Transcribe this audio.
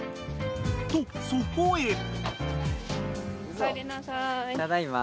［とそこへ］